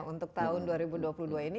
untuk tahun dua ribu dua puluh dua ini